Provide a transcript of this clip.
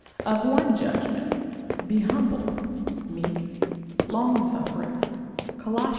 Of one judgment; be humble, meek, long suffering, Colos.